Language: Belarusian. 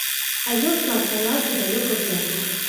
А вёска асталася далёка ззаду.